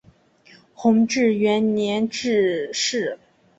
弘治元年致仕。